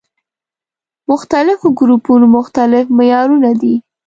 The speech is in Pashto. مختلفو ګروپونو مختلف معيارونه دي.